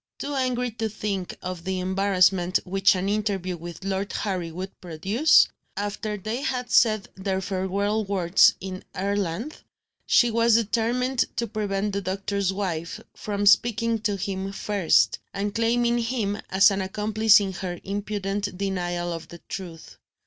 Too angry to think of the embarrassment which an interview with Lord Harry would produce, after they had said their farewell words in Ireland, she was determined to prevent the doctor's wife from speaking to him first, and claiming him as an accomplice in her impudent denial of the truth.